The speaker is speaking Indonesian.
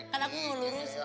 kan aku mau lurusin